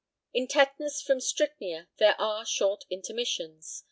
In tetanus from strychnia there are short intermissions.